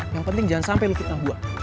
yang penting jangan sampai lo kitnah gue